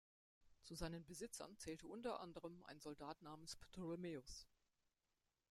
Zu seinen Besitzern zählte unter anderem ein Soldat namens Ptolemaeus.